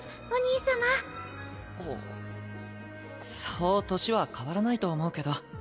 そう年は変わらないと思うけど。